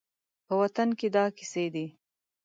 په وطن کې دا کیسې دي